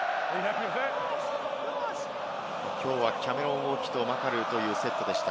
きょうはキャメロン・ウォキとマカルーというセットでした。